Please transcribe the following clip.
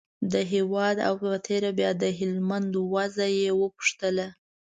د هېواد او په تېره بیا د هلمند وضعه یې پوښتله.